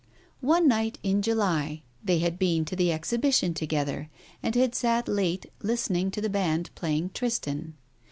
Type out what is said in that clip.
One night in July they had been to the Exhibition together and had sat late listening to the band playing "Tristan."